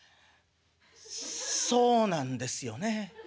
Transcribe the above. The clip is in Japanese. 「そうなんですよね